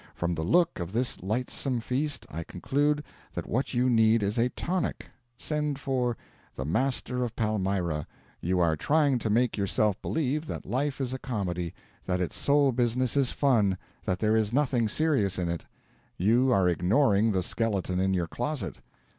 From the look of this lightsome feast, I conclude that what you need is a tonic. Send for 'The Master of Palmyra.' You are trying to make yourself believe that life is a comedy, that its sole business is fun, that there is nothing serious in it. You are ignoring the skeleton in your closet.